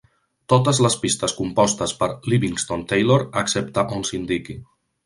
Totes les pistes compostes per Livingston Taylor, excepte on s'indiqui.